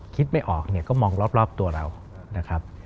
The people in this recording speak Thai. คิดไม่ออกก็มองรอบตัวเรานะครับ